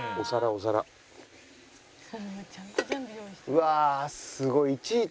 うわすごい！